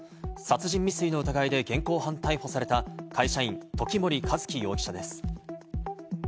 殺人未遂の疑いで現行犯逮捕された会社員・時森一輝容疑者です。